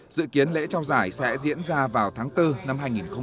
dự kiến lễ trao giải sẽ diễn ra vào tháng bốn năm hai nghìn hai mươi